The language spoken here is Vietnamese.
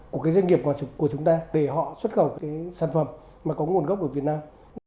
của cái doanh nghiệp của chúng ta để họ xuất khẩu cái sản phẩm mà có nguồn gốc ở việt nam